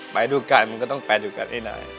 แต่ไปด้วยกันมันก็ต้องไปด้วยกันไอ้นาย